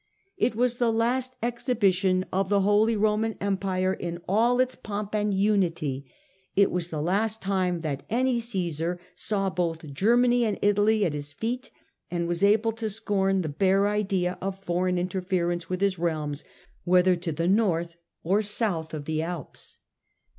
" It was the last exhibition of the Holy Roman Empire in all its old pomp and unity ; it was the last time that any Caesar saw both Germany and Italy at his feet, and was able to scorn the bare idea of foreign interference with his realms, whether to the North or South of the Alps."